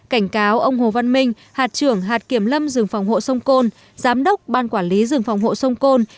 cảnh cáo ông hồ văn minh hạt trưởng hạt kiểm lâm rừng phòng hộ sông côn giám đốc ban quản lý rừng phòng hộ sông côn